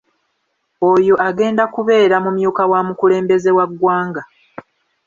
Oyo agenda kubeera mumyuka wa mukulembeze wa ggwanga.